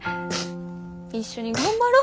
一緒に頑張ろ。